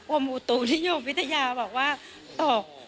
อวมอุตุที่โยงพิทยาบอกว่าตก